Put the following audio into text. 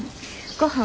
ごはん